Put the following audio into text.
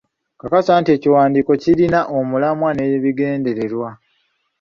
Kakasa nti ekiwandiiko kirina omulamwa, n’ebigendererwa.